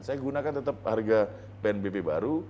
saya gunakan tetap harga pnbp baru